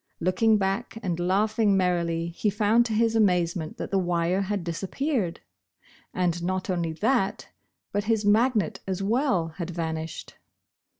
Looking back and laughing merrily, he found to his amazement that the wire had disappeared ! And not only that, but his magnet as well, had vanished